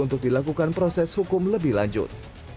untuk dilakukan proses hukum lebih lanjut